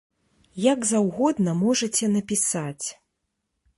Як заўгодна можаце напісаць.